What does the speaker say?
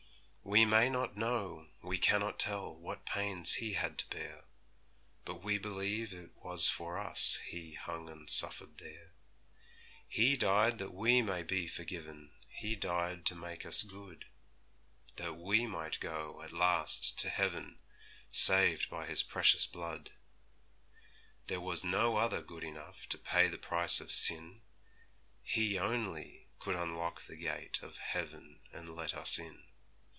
We may not know, we cannot tell What pains He had to bear; But we believe it was for us He hung and suffered there. He died that we may be forgiven, He died to make us good, That we might go at last to heaven, Saved by His precious blood. There was no other good enough To pay the price of sin; He only could unlock the gate Of heaven and let us in.